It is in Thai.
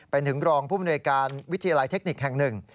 เป็นถึงรองผู้มนวยการวิทยาลัยเทคนิคแห่งหนึ่ง